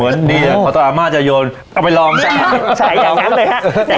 เหมือนดีอ่ะเพราะตอนอาม่าจะโยนเอาไปลองใช่ใช่อย่างงั้นเลยฮะ